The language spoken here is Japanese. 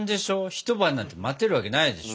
一晩なんて待てるわけないでしょ。